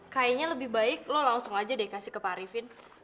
kayaknya lebih baik lo langsung aja deh kasih ke pak arifin